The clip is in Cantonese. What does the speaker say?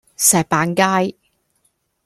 石板街